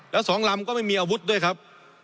แล้วสองลำก็ไม่มีอาวุธด้วยครับ